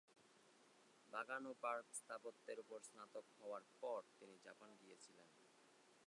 বাগান ও পার্ক স্থাপত্যের উপর স্নাতক হওয়ার পর তিনি জাপান গিয়েছিলেন।